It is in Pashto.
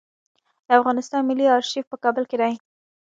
د افغانستان ملي آرشیف په کابل کې دی